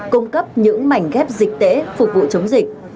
cung cấp những mảnh ghép dịch tễ phục vụ chống dịch